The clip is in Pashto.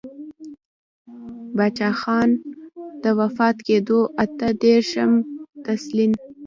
پــاچــاخــان د وفــات کـېـدو اته درېرشم تـلـيـن.